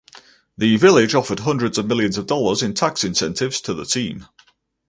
The village offered hundreds of millions of dollars in tax incentives to the team.